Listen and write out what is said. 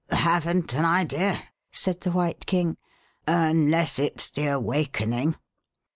" Haven't an idea," said the White King, " unless it's the awakening."